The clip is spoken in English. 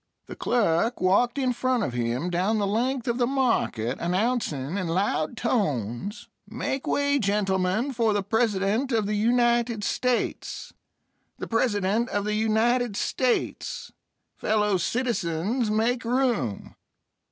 The clerk walked in front of him down the length of the market, announcing in loud tones: "Make way, gentlemen, for the President of the United States! The President of the United States! Fellow citizens, make room!"